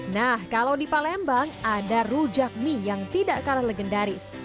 nah kalau di palembang ada rujak mie yang tidak kalah legendaris